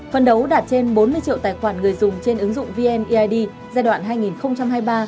phân đấu đạt trên bốn mươi triệu tài khoản người dùng trên ứng dụng vneid